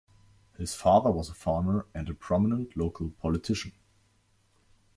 His father was a farmer and a prominent local politician.